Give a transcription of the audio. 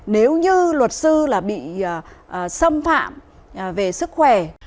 nếu như luật sư là bị xâm phạm về sức khỏe